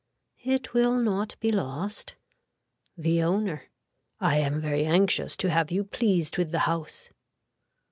It will not be lost. (The owner.) I am very anxious to have you pleased with the house.